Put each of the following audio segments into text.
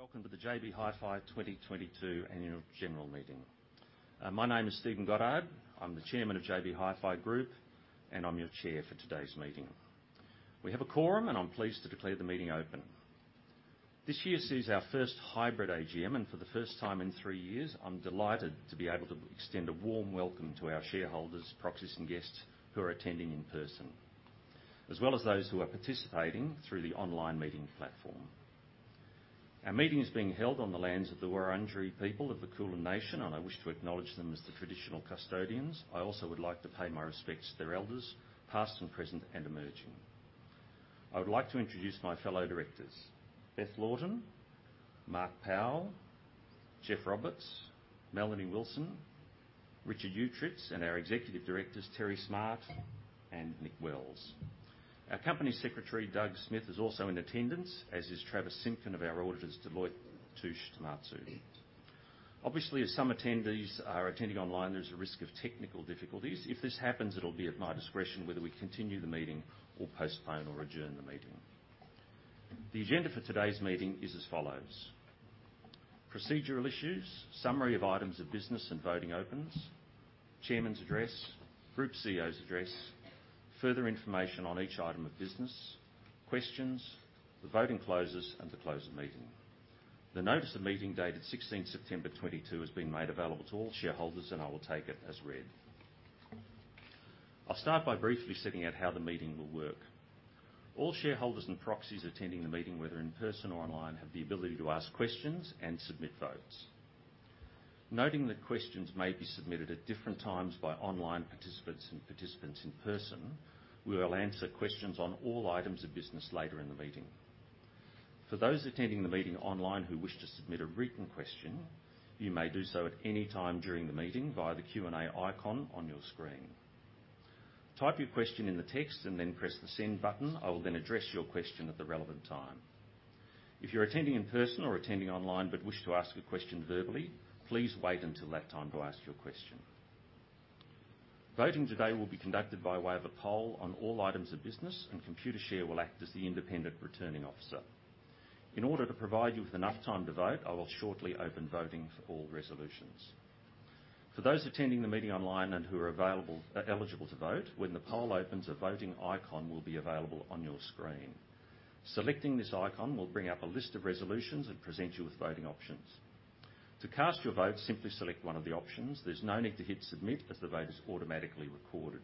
Welcome to the JB Hi-Fi 2022 Annual General Meeting. My name is Stephen Goddard. I'm the Chairman of JB Hi-Fi Group, and I'm your chair for today's meeting. We have a quorum, and I'm pleased to declare the meeting open. This year sees our first hybrid AGM, and for the first time in three years, I'm delighted to be able to extend a warm welcome to our shareholders, proxies, and guests who are attending in person, as well as those who are participating through the online meeting platform. Our meeting is being held on the lands of the Wurundjeri people of the Kulin nation, and I wish to acknowledge them as the traditional custodians. I also would like to pay my respects to their elders, past and present, and emerging. I would like to introduce my fellow directors, Beth Laughton, Mark Powell, Geoff Roberts, Melanie Wilson, Richard Uechtritz, and our executive directors, Terry Smart and Nick Wells. Our company secretary, Doug Smith, is also in attendance, as is Travis Simpkin of our auditors, Deloitte Touche Tohmatsu. Obviously, as some attendees are attending online, there's a risk of technical difficulties. If this happens, it'll be at my discretion whether we continue the meeting or postpone or adjourn the meeting. The agenda for today's meeting is as follows. Procedural issues, summary of items of business and voting opens, Chairman's address, Group CEO's address, further information on each item of business, questions, the voting closes, and the close of meeting. The notice of meeting dated 16th September 2022 has been made available to all shareholders, and I will take it as read. I'll start by briefly setting out how the meeting will work. All shareholders and proxies attending the meeting, whether in person or online, have the ability to ask questions and submit votes. Noting that questions may be submitted at different times by online participants and participants in person, we will answer questions on all items of business later in the meeting. For those attending the meeting online who wish to submit a written question, you may do so at any time during the meeting via the Q&A icon on your screen. Type your question in the text and then press the Send button. I will then address your question at the relevant time. If you're attending in person or attending online but wish to ask a question verbally, please wait until that time to ask your question. Voting today will be conducted by way of a poll on all items of business, and Computershare will act as the independent returning officer. In order to provide you with enough time to vote, I will shortly open voting for all resolutions. For those attending the meeting online and who are eligible to vote, when the poll opens, a voting icon will be available on your screen. Selecting this icon will bring up a list of resolutions and present you with voting options. To cast your vote, simply select one of the options. There's no need to hit Submit, as the vote is automatically recorded.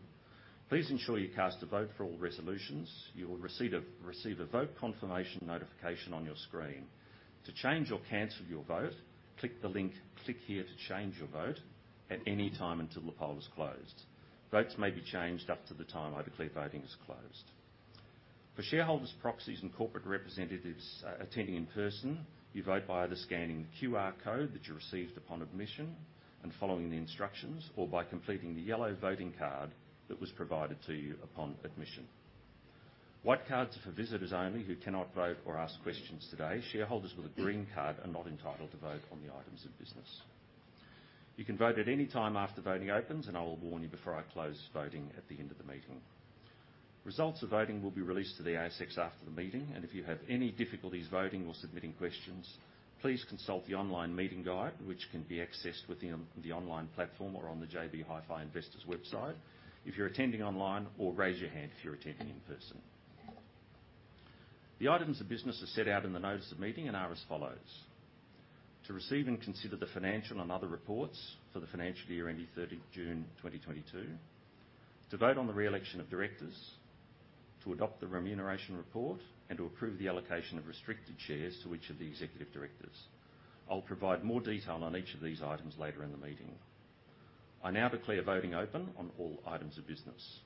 Please ensure you cast a vote for all resolutions. You will receive a vote confirmation notification on your screen. To change or cancel your vote, click the link, Click here to change your vote, at any time until the poll is closed. Votes may be changed up to the time I declare voting is closed. For shareholders, proxies, and corporate representatives attending in person, you vote via scanning the QR code that you received upon admission and following the instructions or by completing the yellow voting card that was provided to you upon admission. White cards are for visitors only who cannot vote or ask questions today. Shareholders with a green card are not entitled to vote on the items of business. You can vote at any time after voting opens, and I will warn you before I close voting at the end of the meeting. Results of voting will be released to the ASX after the meeting, and if you have any difficulties voting or submitting questions, please consult the online meeting guide, which can be accessed within the online platform or on the JB Hi-Fi investors website if you're attending online or raise your hand if you're attending in person. The items of business are set out in the notice of meeting and are as follows, to receive and consider the financial and other reports for the financial year ending 30 June 2022, to vote on the re-election of directors, to adopt the Remuneration Report, and to approve the allocation of restricted shares to each of the executive directors. I'll provide more detail on each of these items later in the meeting. I now declare voting open on all items of business.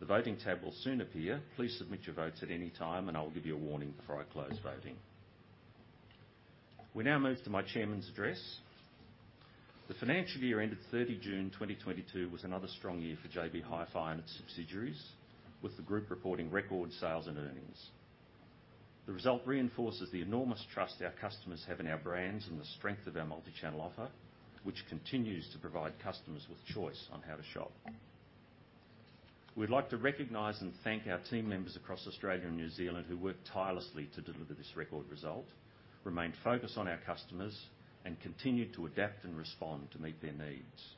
The voting tab will soon appear. Please submit your votes at any time, and I will give you a warning before I close voting. We now move to my chairman's address. The financial year ended 30 June 2022 was another strong year for JB Hi-Fi and its subsidiaries, with the group reporting record sales and earnings. The result reinforces the enormous trust our customers have in our brands and the strength of our multi-channel offer, which continues to provide customers with choice on how to shop. We'd like to recognize and thank our team members across Australia and New Zealand who worked tirelessly to deliver this record result, remained focused on our customers, and continued to adapt and respond to meet their needs.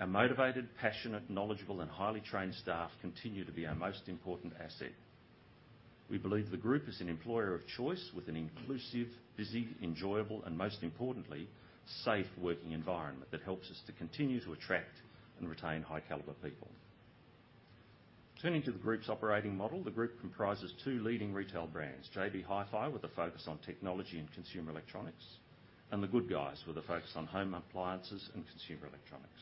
Our motivated, passionate, knowledgeable, and highly trained staff continue to be our most important asset. We believe the group is an employer of choice with an inclusive, busy, enjoyable, and most importantly, safe working environment that helps us to continue to attract and retain high caliber people. Turning to the group's operating model, the group comprises two leading retail brands: JB Hi-Fi, with a focus on technology and consumer electronics, and The Good Guys, with a focus on home appliances and consumer electronics.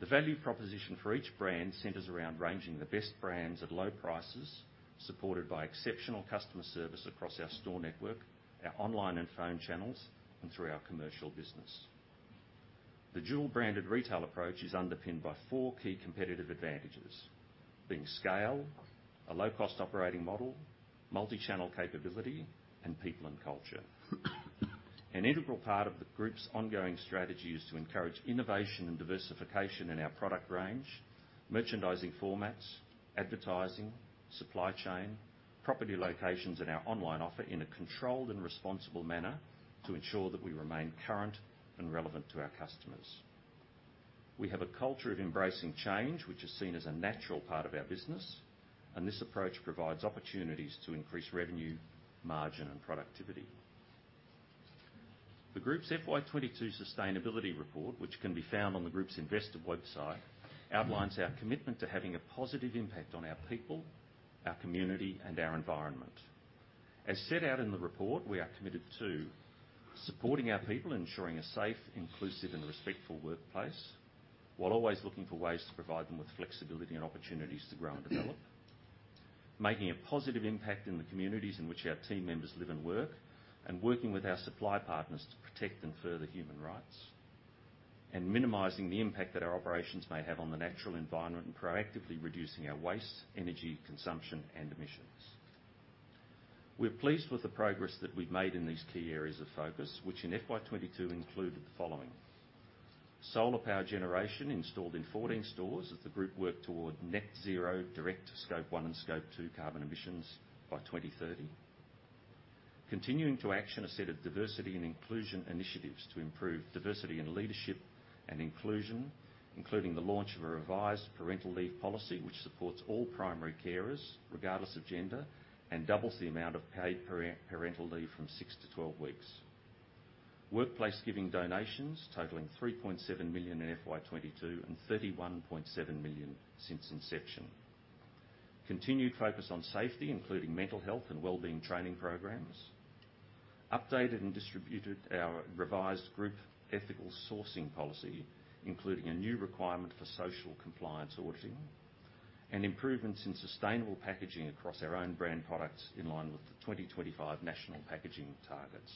The value proposition for each brand centers around ranging the best brands at low prices, supported by exceptional customer service across our store network, our online and phone channels, and through our commercial business. The dual-branded retail approach is underpinned by four key competitive advantages, being scale, a low-cost operating model, multi-channel capability, and people and culture. An integral part of the group's ongoing strategy is to encourage innovation and diversification in our product range, merchandising formats, advertising, supply chain, property locations, and our online offer in a controlled and responsible manner to ensure that we remain current and relevant to our customers. We have a culture of embracing change, which is seen as a natural part of our business, and this approach provides opportunities to increase revenue, margin, and productivity. The group's FY 2022 sustainability report, which can be found on the group's investor website, outlines our commitment to having a positive impact on our people, our community, and our environment. As set out in the report, we are committed to supporting our people, ensuring a safe, inclusive, and respectful workplace, while always looking for ways to provide them with flexibility and opportunities to grow and develop. Making a positive impact in the communities in which our team members live and work, and working with our supply partners to protect and further human rights, and minimizing the impact that our operations may have on the natural environment and proactively reducing our waste, energy, consumption, and emissions. We're pleased with the progress that we've made in these key areas of focus, which in FY 2022 included the following. Solar power generation installed in 14 stores as the group work toward net zero direct Scope 1 and Scope 2 carbon emissions by 2030. Continuing to action a set of diversity and inclusion initiatives to improve diversity in leadership and inclusion, including the launch of a revised parental leave policy which supports all primary carers, regardless of gender, and doubles the amount of paid parental leave from six to 12 weeks. Workplace giving donations totaling 3.7 million in FY 2022, and 31.7 million since inception. Continued focus on safety, including mental health and well-being training programs. Updated and distributed our revised group ethical sourcing policy, including a new requirement for social compliance auditing, and improvements in sustainable packaging across our own brand products in line with the 2025 national packaging targets.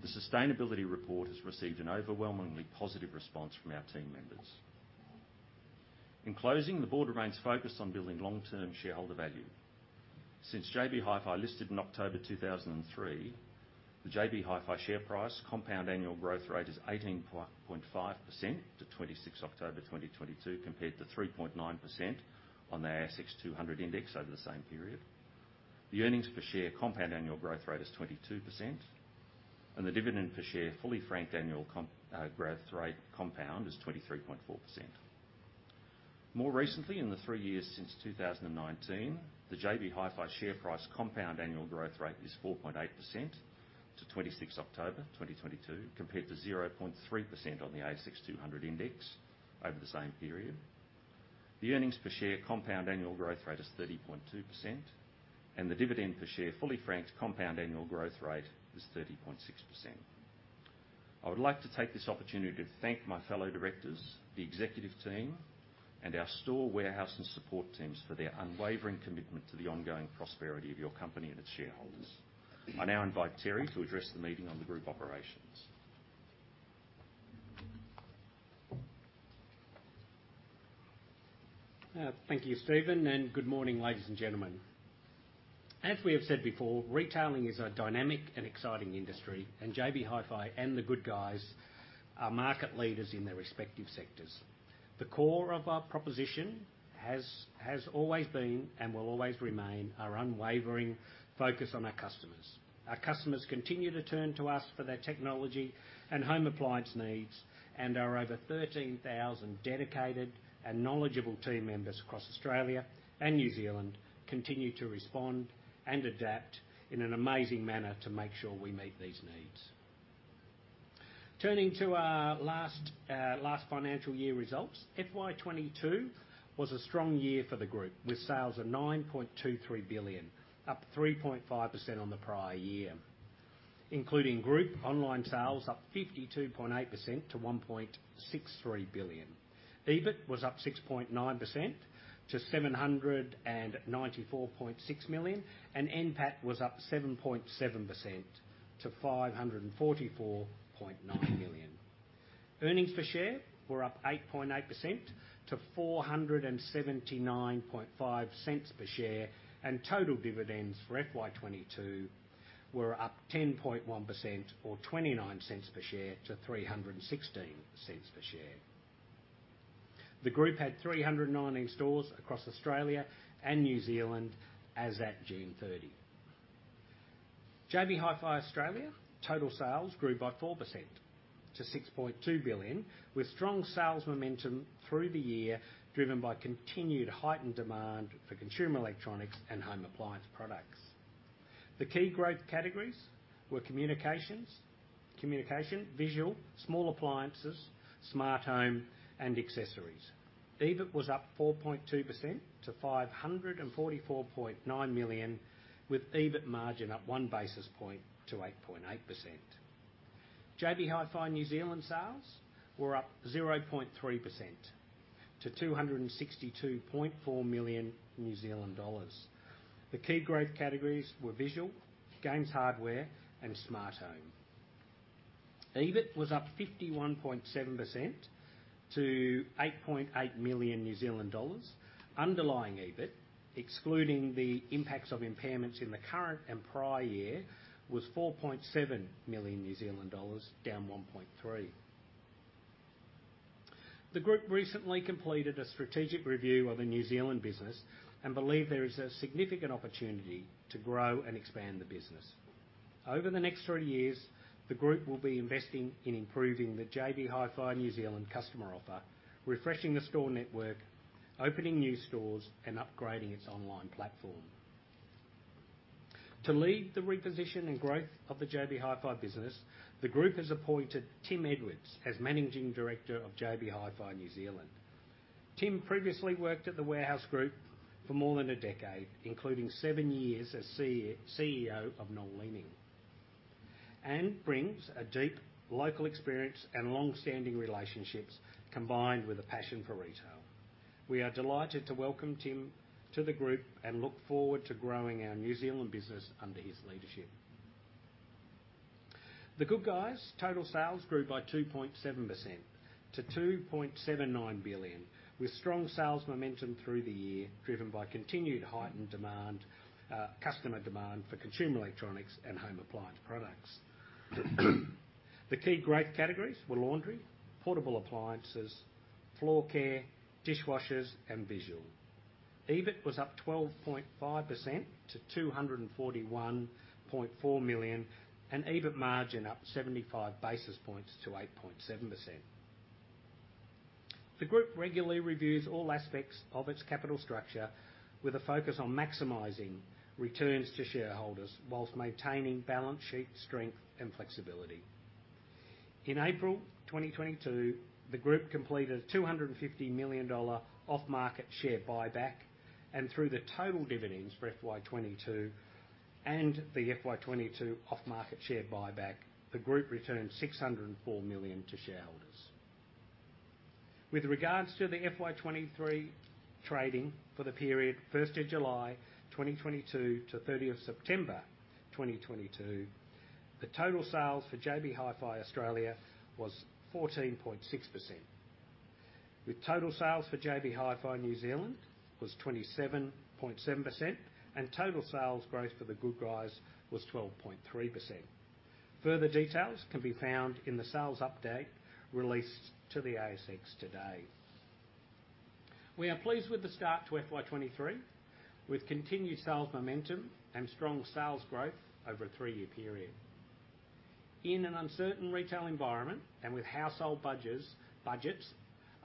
The sustainability report has received an overwhelmingly positive response from our team members. In closing, the board remains focused on building long-term shareholder value. Since JB Hi-Fi listed in October 2003, the JB Hi-Fi share price compound annual growth rate is 18.5% to 26th October 2022, compared to 3.9% on the ASX 200 index over the same period. The earnings per share compound annual growth rate is 22%, and the dividend per share fully franked annual compound growth rate is 23.4%. More recently, in the three years since 2019, the JB Hi-Fi share price compound annual growth rate is 4.8% to 26th October 2022, compared to 0.3% on the ASX 200 index over the same period. The earnings per share compound annual growth rate is 30.2%, and the dividend per share fully franked compound annual growth rate is 30.6%. I would like to take this opportunity to thank my fellow directors, the executive team, and our store warehouse and support teams for their unwavering commitment to the ongoing prosperity of your company and its shareholders. I now invite Terry to address the meeting on the group operations. Thank you, Stephen, and good morning, ladies and gentlemen. As we have said before, retailing is a dynamic and exciting industry, and JB Hi-Fi and The Good Guys are market leaders in their respective sectors. The core of our proposition has always been, and will always remain, our unwavering focus on our customers. Our customers continue to turn to us for their technology and home appliance needs, and our over 13,000 dedicated and knowledgeable team members across Australia and New Zealand continue to respond and adapt in an amazing manner to make sure we meet these needs. Turning to our last financial year results, FY 2022 was a strong year for the group, with sales of 9.23 billion, up 3.5% on the prior year, including group online sales up 52.8% to 1.63 billion. EBIT was up 6.9% to 794.6 million, and NPAT was up 7.7% to 544.9 million. Earnings per share were up 8.8% to 4.795 per share, and total dividends for FY 2022 were up 10.1% or 0.29 per share to 3.16 per share. The group had 319 stores across Australia and New Zealand as at June 30. JB Hi-Fi Australia total sales grew by 4% to 6.2 billion, with strong sales momentum through the year, driven by continued heightened demand for consumer electronics and home appliance products. The key growth categories were communications, visual, small appliances, smart home, and accessories. EBIT was up 4.2% to 544.9 million, with EBIT margin up one basis point to 8.8%. JB Hi-Fi New Zealand sales were up 0.3% to 262.4 million New Zealand dollars. The key growth categories were visual, games hardware, and smart home. EBIT was up 51.7% to 8.8 million New Zealand dollars. Underlying EBIT, excluding the impacts of impairments in the current and prior year, was 4.7 million New Zealand dollars, down 1.3%. The group recently completed a strategic review of the New Zealand business and believe there is a significant opportunity to grow and expand the business. Over the next three years, the group will be investing in improving the JB Hi-Fi New Zealand customer offer, refreshing the store network, opening new stores, and upgrading its online platform. To lead the reposition and growth of the JB Hi-Fi business, the group has appointed Tim Edwards as Managing Director of JB Hi-Fi New Zealand. Tim previously worked at The Warehouse Group for more than a decade, including seven years as CEO of Noel Leeming, and brings a deep local experience and long-standing relationships, combined with a passion for retail. We are delighted to welcome Tim to the group and look forward to growing our New Zealand business under his leadership. The Good Guys' total sales grew by 2.7% to 2.79 billion, with strong sales momentum through the year, driven by continued heightened demand, customer demand for consumer electronics and home appliance products. The key growth categories were laundry, portable appliances, floor care, dishwashers, and visual. EBIT was up 12.5% to 241.4 million, and EBIT margin up 75 basis points to 8.7%. The group regularly reviews all aspects of its capital structure with a focus on maximizing returns to shareholders while maintaining balance sheet strength and flexibility. In April 2022, the group completed 250 million dollar off-market share buyback. Through the total dividends for FY 2022 and the FY 2022 off-market share buyback, the group returned 604 million to shareholders. With regards to the FY 2023 trading for the period July 1, 2022 to September 30, 2022, the total sales for JB Hi-Fi Australia was 14.6%, with total sales for JB Hi-Fi New Zealand was 27.7%, and total sales growth for The Good Guys was 12.3%. Further details can be found in the sales update released to the ASX today. We are pleased with the start to FY 2023, with continued sales momentum and strong sales growth over a three-year period. In an uncertain retail environment, and with household budgets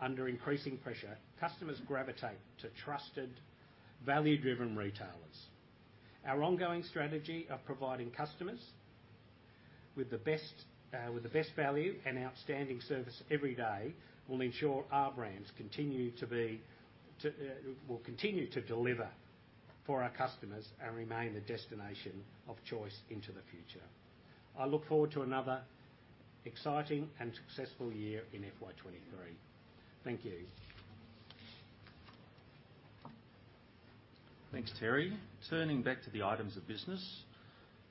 under increasing pressure, customers gravitate to trusted, value-driven retailers. Our ongoing strategy of providing customers with the best value and outstanding service every day will ensure our brands will continue to deliver for our customers and remain the destination of choice into the future. I look forward to another exciting and successful year in FY 2023. Thank you. Thanks, Terry. Turning back to the items of business.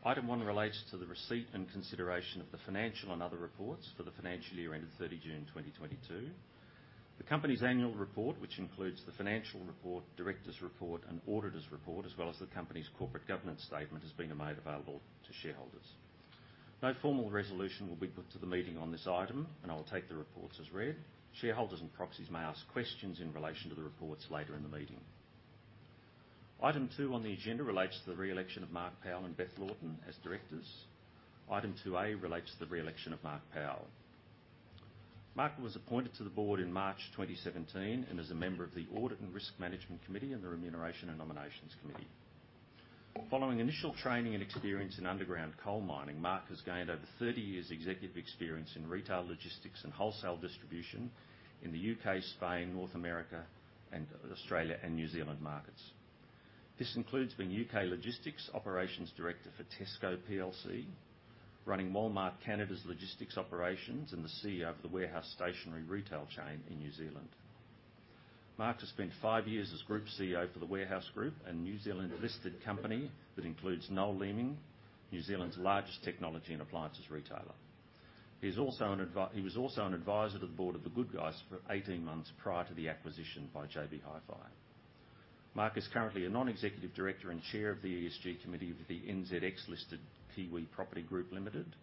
Item one relates to the receipt and consideration of the financial and other reports for the financial year ended 30 June 2022. The company's annual report, which includes the financial report, directors' report, and auditors' report, as well as the company's corporate governance statement, has been made available to shareholders. No formal resolution will be put to the meeting on this item, and I will take the reports as read. Shareholders and proxies may ask questions in relation to the reports later in the meeting. Item 2 on the agenda relates to the re-election of Mark Powell and Beth Laughton as directors. Item 2A relates to the re-election of Mark Powell. Mark was appointed to the board in March 2017 and is a member of the Audit and Risk Management Committee and the Remuneration and Nominations Committee. Following initial training and experience in underground coal mining, Mark has gained over 30 years executive experience in retail logistics and wholesale distribution in the U.K., Spain, North America, and Australia and New Zealand markets. This includes being U.K. logistics operations director for Tesco PLC, running Walmart Canada's logistics operations, and the CEO of the Warehouse Stationery retail chain in New Zealand. Mark has spent five years as Group CEO for The Warehouse Group, a New Zealand-listed company that includes Noel Leeming, New Zealand's largest technology and appliances retailer. He was also an advisor to the board of The Good Guys for 18 months prior to the acquisition by JB Hi-Fi. Mark is currently a non-executive director and chair of the ESG committee of the NZX-listed Kiwi Property Group Limited,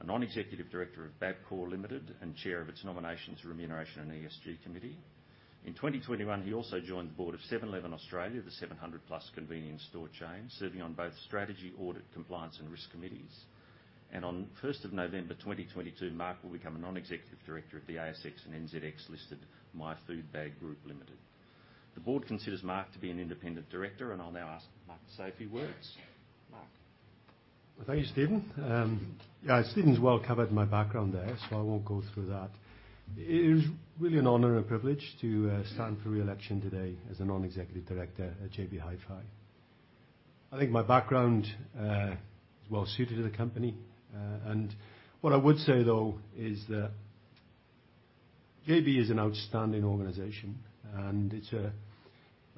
a non-executive director of Bapcor Limited, and chair of its Nominations, Remuneration, and ESG Committee. In 2021, he also joined the board of 7-Eleven Australia, the 700+ convenience store chain, serving on both strategy, audit, compliance, and risk committees. On 1st of November 2022, Mark will become a non-executive director of the ASX and NZX-listed My Food Bag Group Limited. The board considers Mark to be an independent director, and I'll now ask Mark to say a few words. Mark? Well, thank you, Stephen. Yeah, Stephen's well covered my background there, so I won't go through that. It is really an honor and privilege to stand for re-election today as a non-executive director at JB Hi-Fi. I think my background is well suited to the company. What I would say, though, is that. JB is an outstanding organization.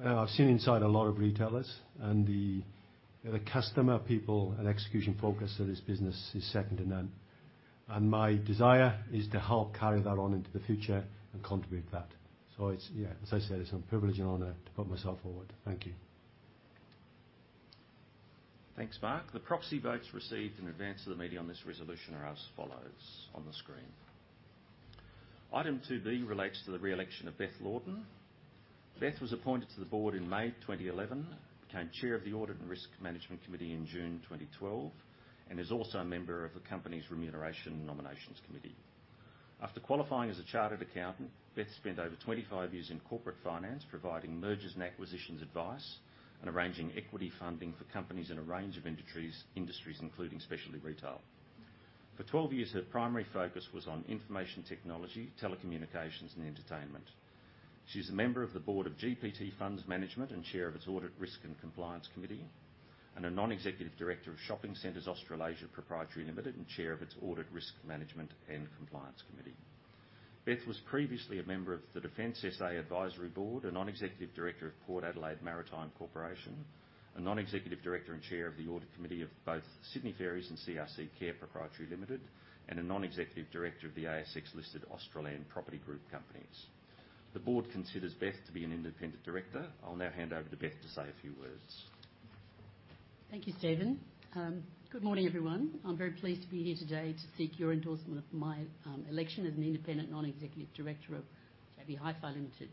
Well, I've seen inside a lot of retailers and the customer people and execution focus of this business is second to none. My desire is to help carry that on into the future and contribute to that. It's, yeah, as I said, it's a privilege and honor to put myself forward. Thank you. Thanks, Mark. The proxy votes received in advance of the meeting on this resolution are as follows on the screen. Item 2B relates to the re-election of Beth Laughton. Beth was appointed to the board in May 2011, became chair of the Audit and Risk Management Committee in June 2012, and is also a member of the company's Remuneration and Nominations Committee. After qualifying as a chartered accountant, Beth spent over 25 years in corporate finance, providing mergers and acquisitions advice, and arranging equity funding for companies in a range of industries, including specialty retail. For 12 years, her primary focus was on information technology, telecommunications, and entertainment. She's a member of the board of GPT Funds Management and chair of its Audit, Risk, and Compliance Committee, and a non-executive director of Shopping Centers Australasia Proprietary Limited, and chair of its Audit, Risk, Management, and Compliance Committee. Beth was previously a member of the Defence SA Advisory Board, a non-executive director of Port Adelaide Maritime Corporation, a non-executive director and chair of the audit committee of both Sydney Ferries and CRC Care Proprietary Limited, and a non-executive director of the ASX-listed Australand Property Group companies. The board considers Beth to be an independent director. I'll now hand over to Beth to say a few words. Thank you, Stephen. Good morning, everyone. I'm very pleased to be here today to seek your endorsement of my election as an independent non-executive director of JB Hi-Fi Limited.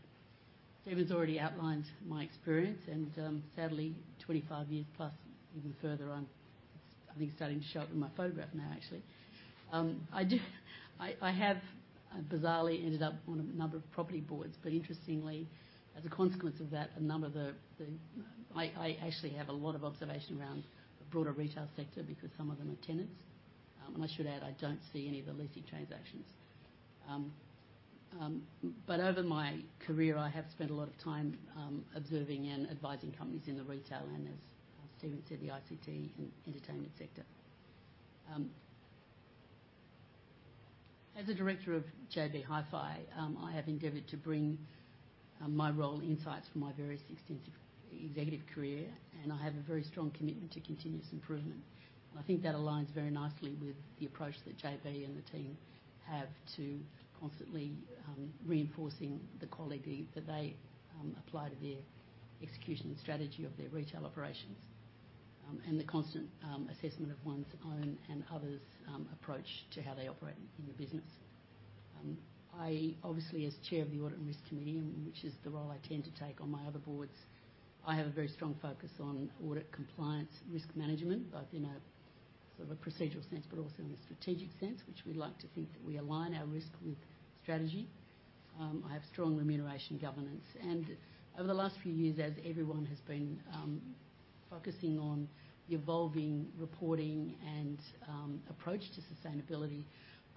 Stephen's already outlined my experience and, sadly, 25+ years even further on, it's, I think starting to show up in my photograph now, actually. I have bizarrely ended up on a number of property boards, but interestingly, as a consequence of that, I actually have a lot of observation around the broader retail sector because some of them are tenants. I should add, I don't see any of the leasing transactions. But over my career, I have spent a lot of time observing and advising companies in the retail and as Stephen said, the ICT and entertainment sector. As a director of JB Hi-Fi, I have endeavored to bring my role insights from my various extensive executive career, and I have a very strong commitment to continuous improvement. I think that aligns very nicely with the approach that JB and the team have to constantly reinforcing the quality that they apply to their execution and strategy of their retail operations, and the constant assessment of one's own and others' approach to how they operate in the business. I obviously, as chair of the Audit and Risk Committee, which is the role I tend to take on my other boards, I have a very strong focus on audit compliance, risk management, both in a sort of a procedural sense, but also in a strategic sense, which we like to think that we align our risk with strategy. I have strong remuneration governance. Over the last few years, as everyone has been focusing on the evolving reporting and approach to sustainability,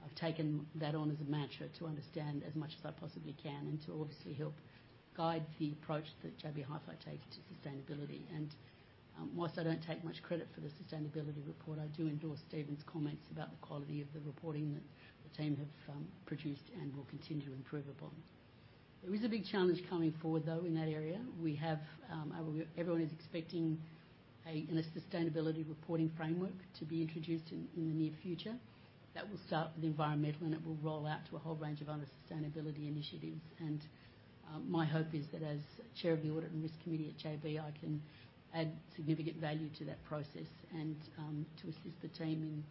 I've taken that on as a mantra to understand as much as I possibly can and to obviously help guide the approach that JB Hi-Fi takes to sustainability. While I don't take much credit for the sustainability report, I do endorse Stephen's comments about the quality of the reporting that the team have produced and will continue to improve upon. There is a big challenge coming forward, though, in that area. Everyone is expecting a sustainability reporting framework to be introduced in the near future. That will start with environmental and it will roll out to a whole range of other sustainability initiatives. My hope is that as chair of the Audit and Risk Committee at JB, I can add significant value to that process and to assist the team in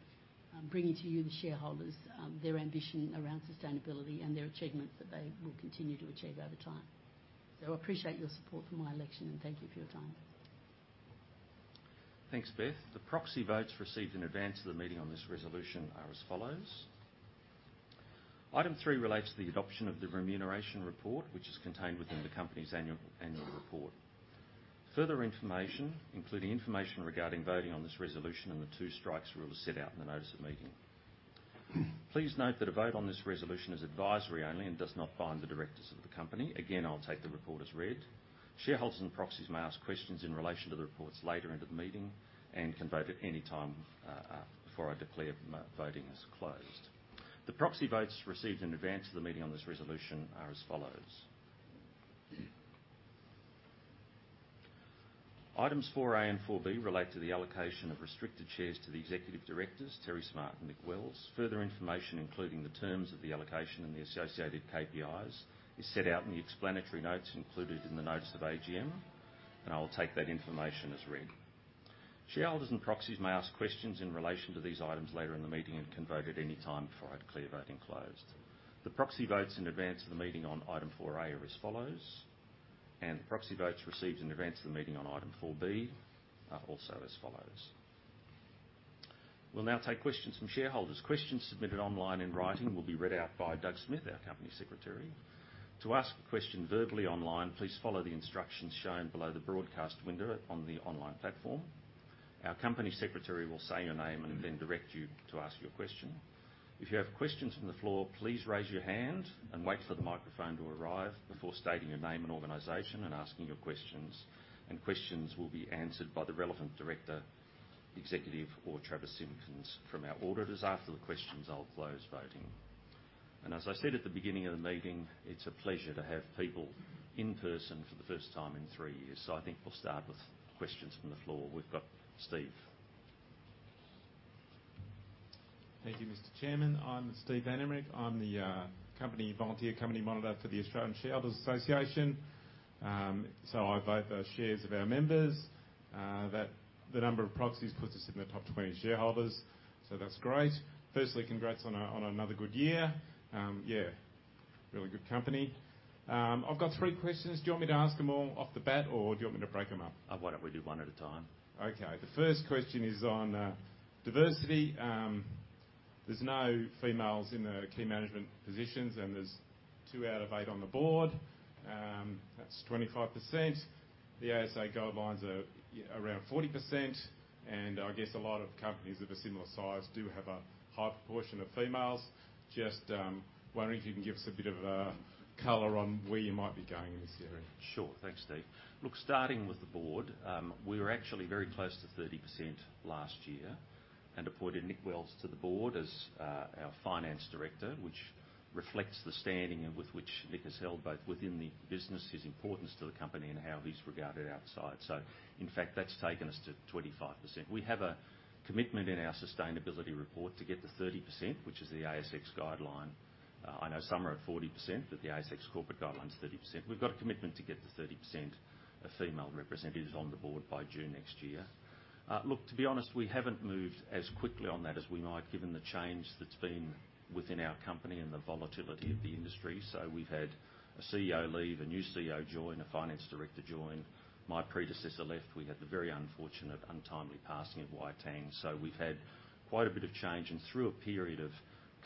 bringing to you, the shareholders, their ambition around sustainability and their achievements that they will continue to achieve over time. I appreciate your support for my election, and thank you for your time. Thanks, Beth. The proxy votes received in advance of the meeting on this resolution are as follows. Item three relates to the adoption of the remuneration report, which is contained within the company's annual report. Further information, including information regarding voting on this resolution and the two strikes rule, is set out in the notice of meeting. Please note that a vote on this resolution is advisory only and does not bind the directors of the company. Again, I'll take the report as read. Shareholders and proxies may ask questions in relation to the reports later into the meeting and can vote at any time before I declare voting as closed. The proxy votes received in advance of the meeting on this resolution are as follows. Items 4A and 4B relate to the allocation of restricted shares to the executive directors, Terry Smart and Nick Wells. Further information, including the terms of the allocation and the associated KPIs, is set out in the explanatory notes included in the Notice of AGM, and I will take that information as read. Shareholders and proxies may ask questions in relation to these items later in the meeting and can vote at any time before I declare voting closed. The proxy votes in advance of the meeting on item 4A are as follows, and the proxy votes received in advance of the meeting on item 4B are also as follows. We'll now take questions from shareholders. Questions submitted online in writing will be read out by Doug Smith, our company secretary. To ask a question verbally online, please follow the instructions shown below the broadcast window on the online platform. Our company secretary will say your name and then direct you to ask your question. If you have questions from the floor, please raise your hand and wait for the microphone to arrive before stating your name and organization and asking your questions. Questions will be answered by the relevant director-executive or Travis Simpkin from our auditors. After the questions, I'll close voting. As I said at the beginning of the meeting, it's a pleasure to have people in person for the first time in three years. I think we'll start with questions from the floor. We've got Steve. Thank you, Mr. Chairman. I'm Steve Van Emmerik. I'm the volunteer company monitor for the Australian Shareholders' Association. I vote the shares of our members that the number of proxies puts us in the top 20 shareholders. That's great. Firstly, congrats on another good year. Yeah, really good company. I've got three questions. Do you want me to ask them all off the bat, or do you want me to break them up? Why don't we do one at a time? Okay. The first question is on diversity. There's no females in the key management positions, and there's two out of eight on the board. That's 25%. The ASA guidelines are around 40%, and I guess a lot of companies of a similar size do have a high proportion of females. Just wondering if you can give us a bit of a color on where you might be going in this area. Sure. Thanks, Steve. Look, starting with the board, we were actually very close to 30% last year and appointed Nick Wells to the board as our finance director, which reflects the standing and with which Nick has held both within the business, his importance to the company and how he's regarded outside. In fact, that's taken us to 25%. We have a commitment in our sustainability report to get to 30%, which is the ASX guideline. I know some are at 40%, but the ASX corporate guideline is 30%. We've got a commitment to get to 30% of female representatives on the board by June next year. Look, to be honest, we haven't moved as quickly on that as we might, given the change that's been within our company and the volatility of the industry. We've had a CEO leave, a new CEO join, a finance director join. My predecessor left. We had the very unfortunate untimely passing of Wai Tang. We've had quite a bit of change. Through a period of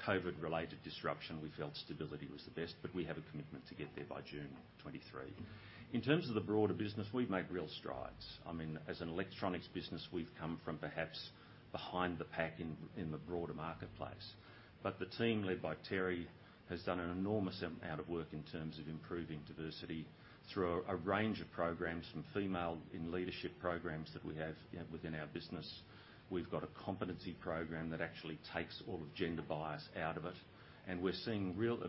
COVID-related disruption, we felt stability was the best, but we have a commitment to get there by June 2023. In terms of the broader business, we've made real strides. I mean, as an electronics business, we've come from perhaps behind the pack in the broader marketplace. The team led by Terry has done an enormous amount of work in terms of improving diversity through a range of programs from female leadership programs that we have within our business. We've got a competency program that actually takes all of gender bias out of it. We're seeing real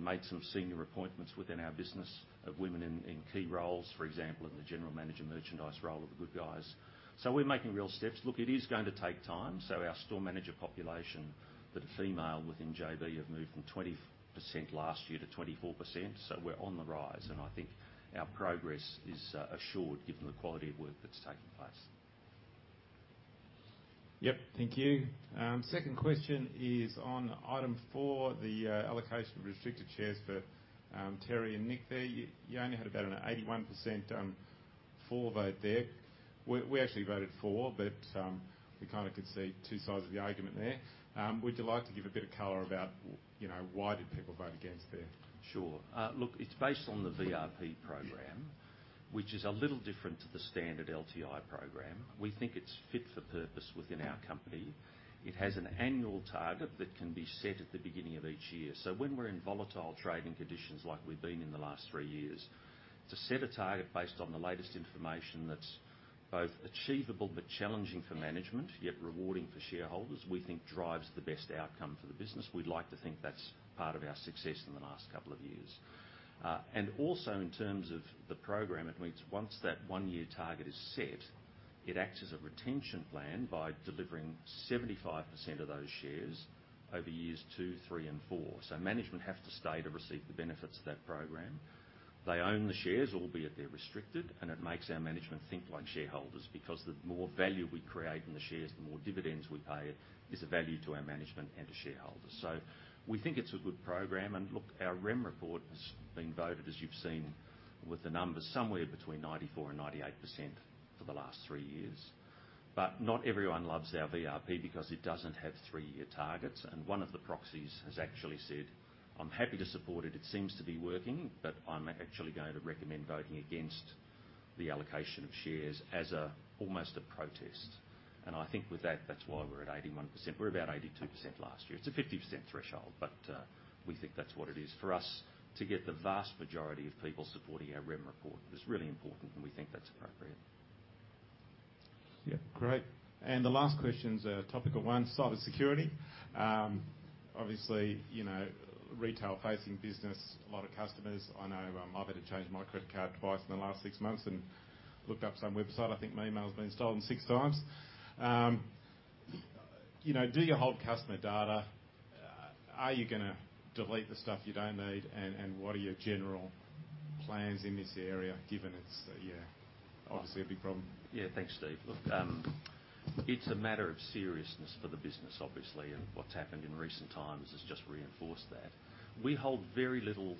made some senior appointments within our business of women in key roles, for example, in the general manager merchandise role of The Good Guys. We're making real steps. Look, it is going to take time. Our store manager population that are female within JB have moved from 20% last year to 24%. We're on the rise. I think our progress is assured given the quality of work that's taking place. Yep. Thank you. Second question is on item four, the allocation of restricted shares for Terry and Nick there. You only had about 81% for vote there. We actually voted for, but we kinda could see two sides of the argument there. Would you like to give a bit of color about, you know, why did people vote against there? Sure. Look, it's based on the VRP program. Yeah Which is a little different to the standard LTI program. We think it's fit for purpose within our company. It has an annual target that can be set at the beginning of each year. When we're in volatile trading conditions like we've been in the last three years, to set a target based on the latest information that's both achievable but challenging for management, yet rewarding for shareholders, we think drives the best outcome for the business. We'd like to think that's part of our success in the last couple of years. In terms of the program, it means once that one-year target is set, it acts as a retention plan by delivering 75% of those shares over years two, three, and four. Management have to stay to receive the benefits of that program. They own the shares, albeit they're restricted, and it makes our management think like shareholders, because the more value we create in the shares, the more dividends we pay is a value to our management and to shareholders. We think it's a good program. Look, our Remuneration Report has been voted, as you've seen with the numbers, somewhere between 94% and 98% for the last three years. Not everyone loves our VRP because it doesn't have three-year targets. One of the proxies has actually said, "I'm happy to support it. It seems to be working, but I'm actually going to recommend voting against the allocation of shares as a, almost a protest." I think with that's why we're at 81%. We're about 82% last year. It's a 50% threshold, but we think that's what it is. For us to get the vast majority of people supporting our Remuneration Report is really important, and we think that's appropriate. Yeah. Great. The last question's a topical one, cybersecurity. Obviously, you know, retail-facing business, a lot of customers. I know, I've had to change my credit card twice in the last six months and looked up some website. I think my email's been stolen six times. You know, do you hold customer data? Are you gonna delete the stuff you don't need? And what are your general plans in this area, given it's, yeah, obviously a big problem. Yeah. Thanks, Steve. Look, it's a matter of seriousness for the business, obviously, and what's happened in recent times has just reinforced that. We hold very little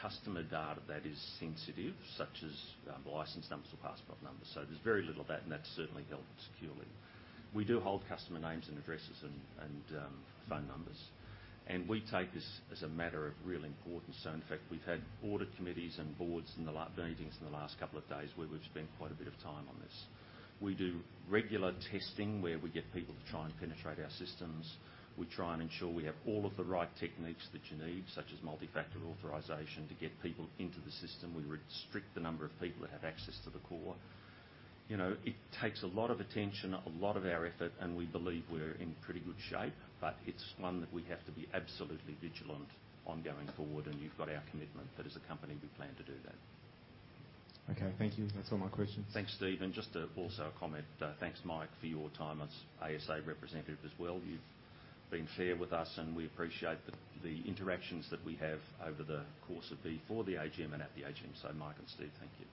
customer data that is sensitive, such as license numbers or passport numbers. So there's very little of that, and that's certainly held securely. We do hold customer names and addresses and phone numbers, and we take this as a matter of real importance. So in fact, we've had audit committees and boards in the meetings in the last couple of days where we've spent quite a bit of time on this. We do regular testing where we get people to try and penetrate our systems. We try and ensure we have all of the right techniques that you need, such as multi-factor authentication to get people into the system. We restrict the number of people that have access to the core. You know, it takes a lot of attention, a lot of our effort, and we believe we're in pretty good shape, but it's one that we have to be absolutely vigilant on going forward, and you've got our commitment that as a company we plan to do that. Okay. Thank you. That's all my questions. Thanks, Stephen. Just to also comment, thanks, Mike, for your time as ASA representative as well. You've been fair with us, and we appreciate the interactions that we have over the course of before the AGM and at the AGM. Mike and Steve, thank you.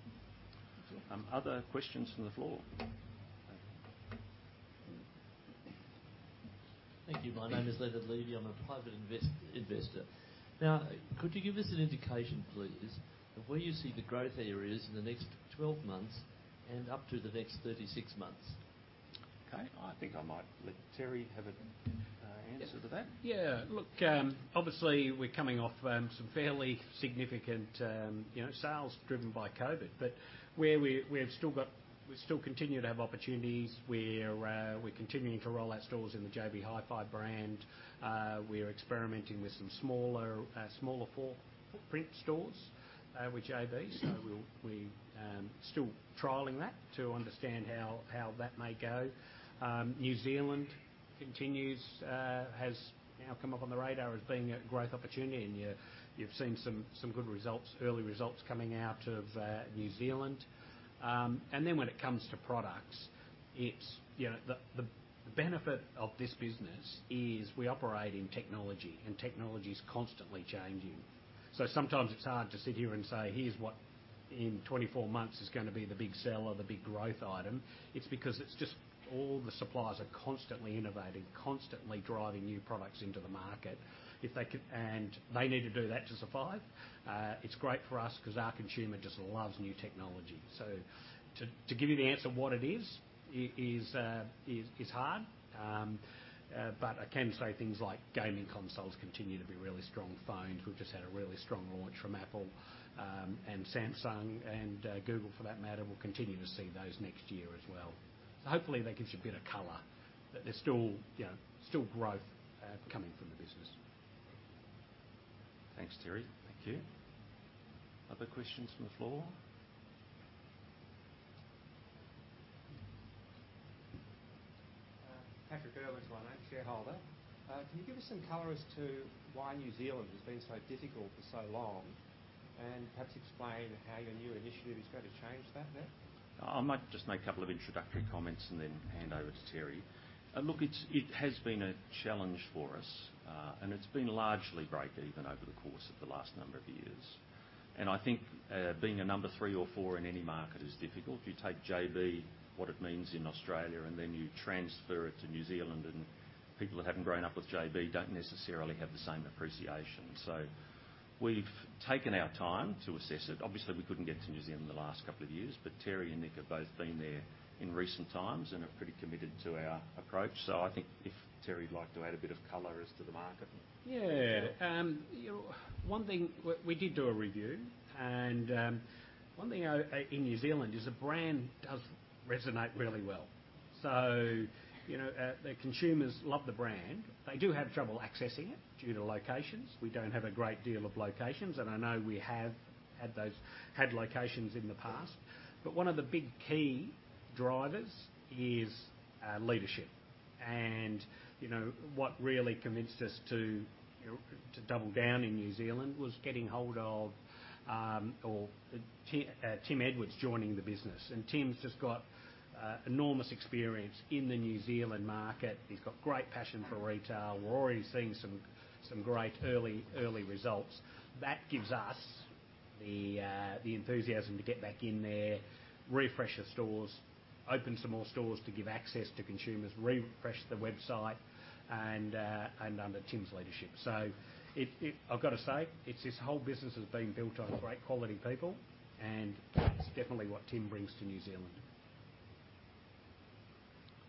That's all. Other questions from the floor? Thank you. My name is Leonard Levy. I'm a private investor. Now, could you give us an indication, please, of where you see the growth areas in the next 12 months and up to the next 36 months? Okay. I think I might let Terry have an answer to that. Yeah. Look, obviously we're coming off some fairly significant, you know, sales driven by COVID, but we still continue to have opportunities. We're continuing to roll out stores in the JB Hi-Fi brand. We're experimenting with some smaller footprint stores with JB. Still trialing that to understand how that may go. New Zealand continues, has now come up on the radar as being a growth opportunity, and you've seen some good results, early results coming out of New Zealand. When it comes to products, it's, you know, the benefit of this business is we operate in technology, and technology is constantly changing. Sometimes it's hard to sit here and say, "Here's what in 24 months is gonna be the big seller, the big growth item." It's because it's just all the suppliers are constantly innovating, constantly driving new products into the market. They need to do that to survive. It's great for us 'cause our consumer just loves new technology. To give you the answer what it is hard. But I can say things like gaming consoles continue to be really strong. Phones, we've just had a really strong launch from Apple, and Samsung, and Google for that matter. We'll continue to see those next year as well. Hopefully, that gives you a bit of color, but there's still, you know, still growth coming from the business. Thanks, Terry. Thank you. Other questions from the floor? Patrick Erwin is my name, shareholder. Can you give us some color as to why New Zealand has been so difficult for so long, and perhaps explain how your new initiative is going to change that now? I might just make a couple of introductory comments and then hand over to Terry. Look, it has been a challenge for us, and it's been largely break even over the course of the last number of years. I think, being a number three or four in any market is difficult. You take JB, what it means in Australia, and then you transfer it to New Zealand, and people that haven't grown up with JB don't necessarily have the same appreciation. We've taken our time to assess it. Obviously, we couldn't get to New Zealand in the last couple of years, but Terry and Nick have both been there in recent times and are pretty committed to our approach. I think if Terry would like to add a bit of color as to the market. Yeah. You know, one thing. We did do a review, and one thing in New Zealand is the brand does resonate really well. You know, the consumers love the brand. They do have trouble accessing it due to locations. We don't have a great deal of locations, and I know we have had locations in the past, but one of the big key drivers is leadership. You know, what really convinced us to double down in New Zealand was getting hold of Tim Edwards joining the business, and Tim's just got enormous experience in the New Zealand market. He's got great passion for retail. We're already seeing some great early results. That gives us the enthusiasm to get back in there, refresh the stores, open some more stores to give access to consumers, refresh the website, and under Tim's leadership. I've got to say, it's this whole business has been built on great quality people, and that's definitely what Tim brings to New Zealand.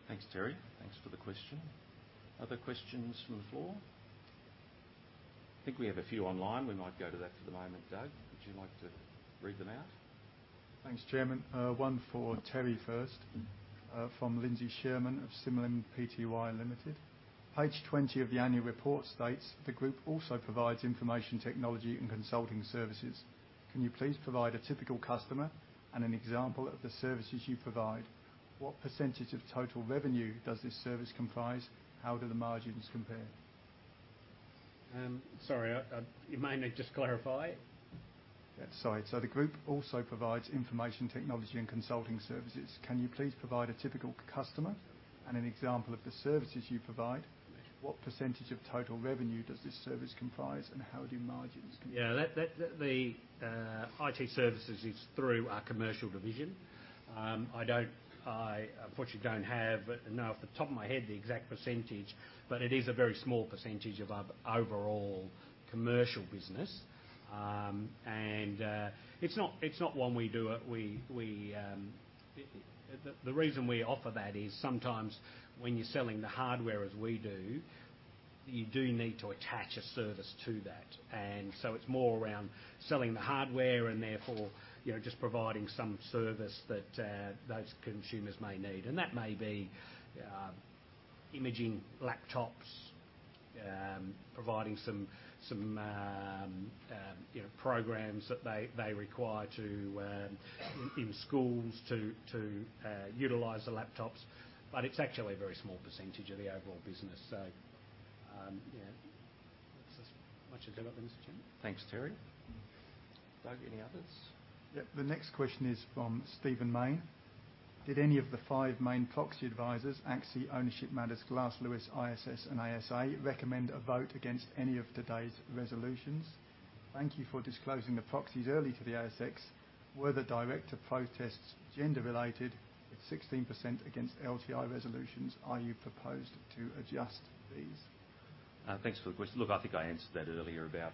Thanks, Terry. Thanks for the question. Other questions from the floor? I think we have a few online. We might go to that for the moment. Doug, would you like to read them out? Thanks, Chairman. One for Terry first, from Lindsay Sherman of Similan PTY Limited. Page 20 of the annual report states the group also provides information technology and consulting services. Can you please provide a typical customer and an example of the services you provide? What percentage of total revenue does this service comprise? How do the margins compare? Sorry. You mind to just clarify? The group also provides information technology and consulting services. Can you please provide a typical customer and an example of the services you provide? What percentage of total revenue does this service comprise, and how do margins compare? Yeah. That the IT services is through our commercial division. I unfortunately don't know off the top of my head the exact percentage, but it is a very small percentage of our overall commercial business. It's not one we do. The reason we offer that is sometimes when you're selling the hardware as we do, you do need to attach a service to that. It's more around selling the hardware and therefore, you know, just providing some service that those consumers may need. That may be imaging laptops, providing some programs that they require in schools to utilize the laptops. It's actually a very small percentage of the overall business. Yeah. That's as much detail I can give. Thanks, Terry. Doug, any others? Yep. The next question is from Stephen Mayne. Did any of the five main proxy advisors, Axie, Ownership Matters, Glass Lewis, ISS, and ASI recommend a vote against any of today's resolutions? Thank you for disclosing the proxies early to the ASX. Were the director protests gender-related? At 16% against LTI resolutions, are you proposing to adjust these? Thanks for the question. Look, I think I answered that earlier about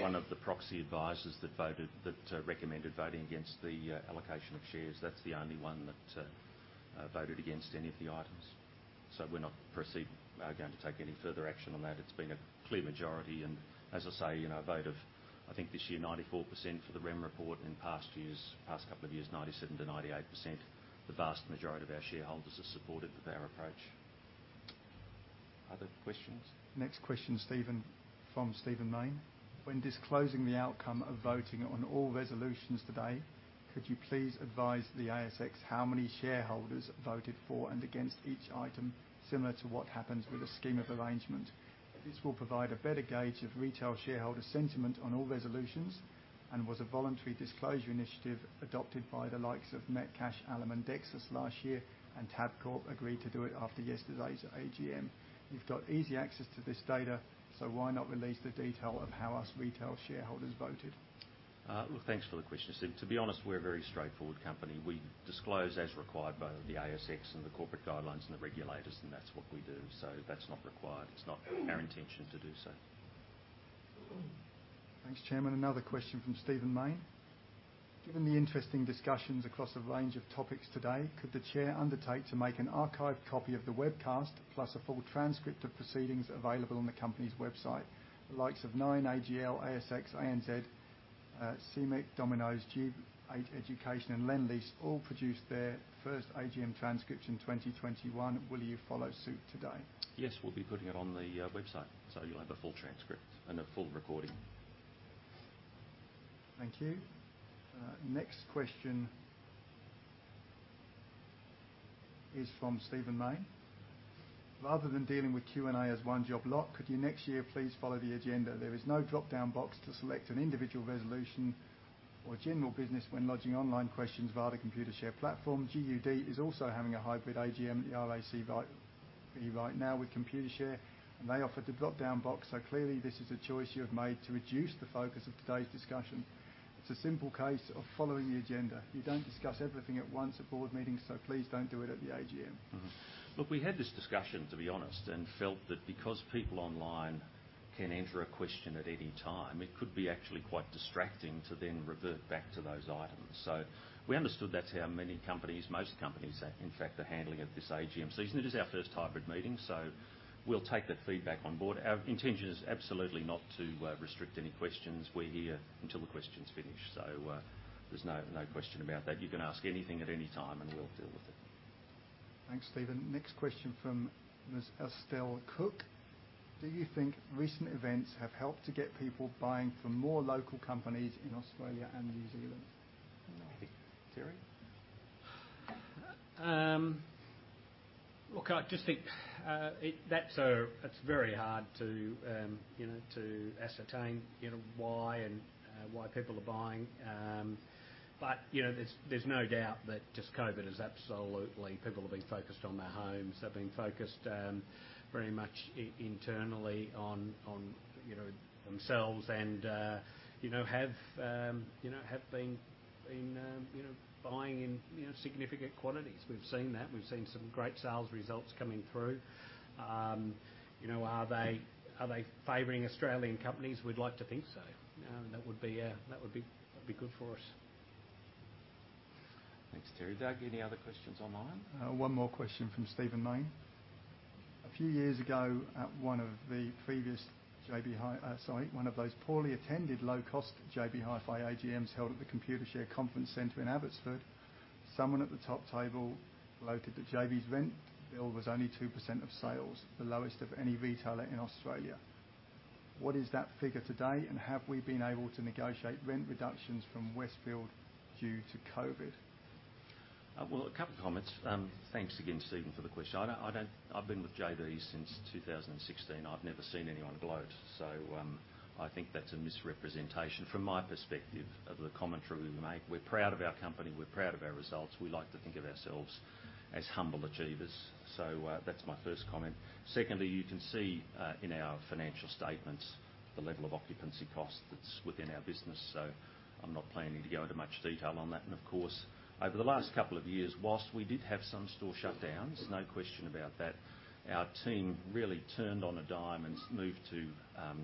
one of the proxy advisors that voted that recommended voting against the allocation of shares. That's the only one that voted against any of the items. So we're not going to take any further action on that. It's been a clear majority. As I say, you know, a vote of, I think this year 94% for the Remuneration Report, and in past years, past couple of years, 97%-98%. The vast majority of our shareholders have supported with our approach. Other questions? Next question, Steven. From Stephen Mayne. When disclosing the outcome of voting on all resolutions today, could you please advise the ASX how many shareholders voted for and against each item, similar to what happens with a scheme of arrangement? This will provide a better gauge of retail shareholder sentiment on all resolutions and was a voluntary disclosure initiative adopted by the likes of Metcash, Alum, and Dexus last year, and Tabcorp agreed to do it after yesterday's AGM. You've got easy access to this data, so why not release the detail of how us retail shareholders voted? Look, thanks for the question, Stephen. To be honest, we're a very straightforward company. We disclose as required by the ASX and the corporate guidelines and the regulators, and that's what we do. That's not required. It's not our intention to do so. Thanks, Chairman. Another question from Stephen Mayne. Given the interesting discussions across a range of topics today, could the Chair undertake to make an archived copy of the webcast plus a full transcript of proceedings available on the company's website? The likes of Nine, AGL, ASX, ANZ, CIMIC, Domino's, G8 Education, and Lendlease all produced their first AGM transcript in 2021. Will you follow suit today? Yes, we'll be putting it on the website, so you'll have a full transcript and a full recording. Thank you. Next question is from Stephen Mayne. Rather than dealing with Q&A as one job lot, could you next year please follow the agenda? There is no dropdown box to select an individual resolution or general business when lodging online questions via the Computershare platform. GUD is also having a hybrid AGM at the RACV right now with Computershare, and they offer the dropdown box. Clearly, this is a choice you have made to reduce the focus of today's discussion. It's a simple case of following the agenda. You don't discuss everything at once at board meetings, so please don't do it at the AGM. Mm-hmm. Look, we had this discussion, to be honest, and felt that because people online can enter a question at any time, it could be actually quite distracting to then revert back to those items. We understood that's how many companies, most companies, in fact, are handling it this AGM season. It is our first hybrid meeting, so we'll take that feedback on board. Our intention is absolutely not to restrict any questions. We're here until the questions finish, so there's no question about that. You can ask anything at any time, and we'll deal with it. Thanks, Stephen. Next question from Ms. Estelle Cook. Do you think recent events have helped to get people buying from more local companies in Australia and New Zealand? Terry? Look, I just think it's very hard to, you know, to ascertain, you know, why and why people are buying. But, you know, there's no doubt that just COVID has absolutely. People have been focused on their homes. They've been focused very much internally on, you know, themselves and, you know, have been buying in, you know, significant quantities. We've seen that. We've seen some great sales results coming through. You know, are they favoring Australian companies? We'd like to think so. That would be good for us. Thanks, Terry. Doug, any other questions online? One more question from Stephen Mayne. A few years ago at one of those poorly attended low-cost JB Hi-Fi AGMs held at the Computershare Conference Centre in Abbotsford, someone at the top table gloated that JB's rent bill was only 2% of sales, the lowest of any retailer in Australia. What is that figure today, and have we been able to negotiate rent reductions from Westfield due to COVID? Well, a couple of comments. Thanks again, Stephen, for the question. I don't—I've been with JB since 2016. I've never seen anyone gloat, so I think that's a misrepresentation from my perspective of the commentary we make. We're proud of our company. We're proud of our results. We like to think of ourselves as humble achievers. That's my first comment. Secondly, you can see in our financial statements the level of occupancy cost that's within our business, so I'm not planning to go into much detail on that. Of course, over the last couple of years, while we did have some store shutdowns, no question about that, our team really turned on a dime and moved to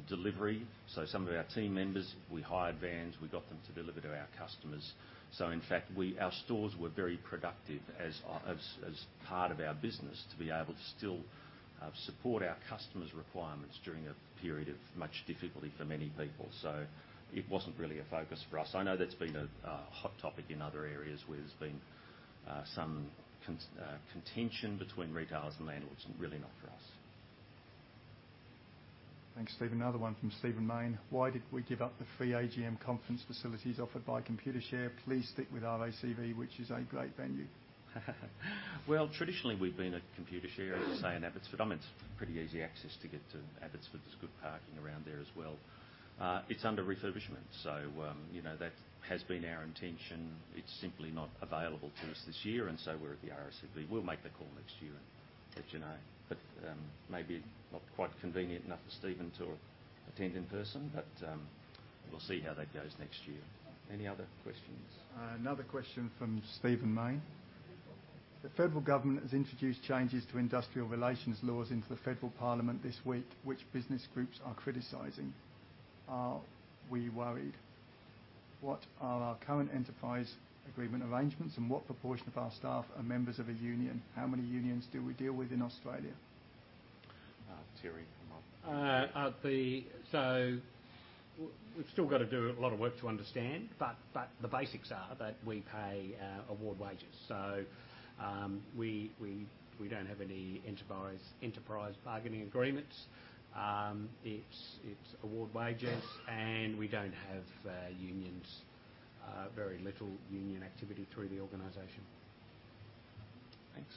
delivery. Some of our team members, we hired vans, we got them to deliver to our customers. In fact, our stores were very productive as part of our business to be able to still support our customers' requirements. It's during a period of much difficulty for many people, so it wasn't really a focus for us. I know that's been a hot topic in other areas where there's been some contention between retailers and landlords. Really not for us. Thanks, Stephen. Another one from Stephen Mayne. Why did we give up the free AGM conference facilities offered by Computershare? Please stick with RACV, which is a great venue. Well, traditionally, we've been at Computershare, as I say, in Abbotsford. I mean, it's pretty easy access to get to Abbotsford. There's good parking around there as well. It's under refurbishment, so, you know, that has been our intention. It's simply not available to us this year, and so we're at the RACV. We'll make the call next year and let you know. Maybe not quite convenient enough for Stephen Mayne to attend in person, but we'll see how that goes next year. Any other questions? Another question from Stephen Mayne. The federal government has introduced changes to industrial relations laws into the federal parliament this week, which business groups are criticizing. Are we worried? What are our current enterprise agreement arrangements, and what proportion of our staff are members of a union? How many unions do we deal with in Australia? Terry? Come on. We've still gotta do a lot of work to understand, but the basics are that we pay award wages. We don't have any enterprise bargaining agreements. It's award wages, and we don't have unions. Very little union activity throughout the organization. Thanks.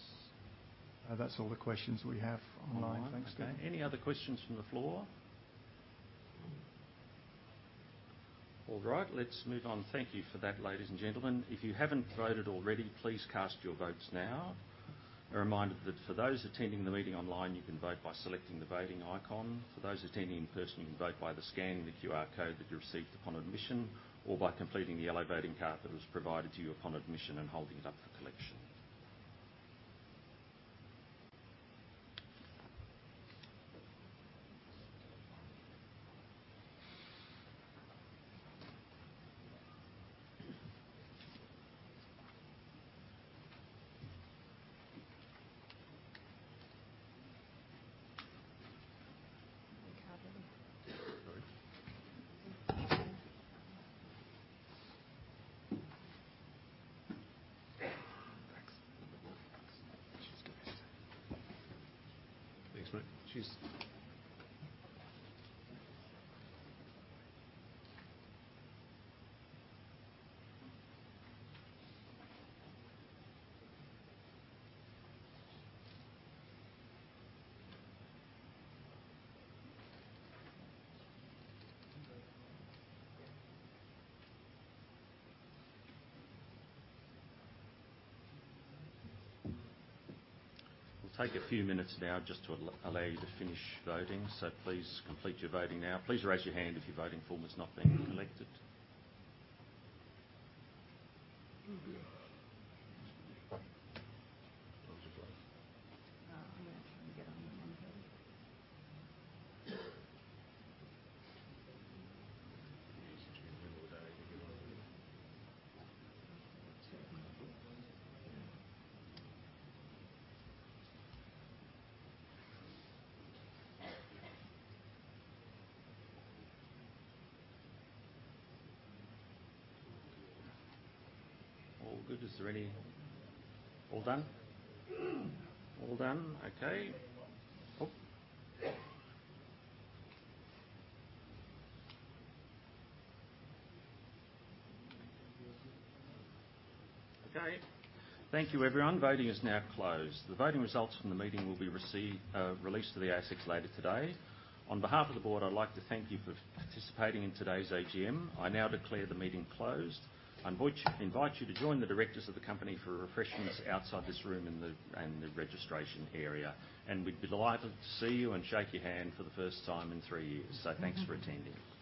That's all the questions we have online. Thanks, Stephen. All right. Okay. Any other questions from the floor? All right, let's move on. Thank you for that, ladies and gentlemen. If you haven't voted already, please cast your votes now. A reminder that for those attending the meeting online, you can vote by selecting the Voting icon. For those attending in person, you can vote by scanning the QR code that you received upon admission or by completing the yellow voting card that was provided to you upon admission and holding it up for collection. Thanks. Little bit more. Thanks. Cheers, guys. Thanks, mate. Cheers. We'll take a few minutes now just to allow you to finish voting, so please complete your voting now. Please raise your hand if your voting form is not being collected. All good. Is there any All done? Okay. Oh. Okay. Thank you, everyone. Voting is now closed. The voting results from the meeting will be released to the ASX later today. On behalf of the board, I'd like to thank you for participating in today's AGM. I now declare the meeting closed. I invite you to join the directors of the company for refreshments outside this room in the registration area. We'd be delighted to see you and shake your hand for the first time in three years. Thanks for attending.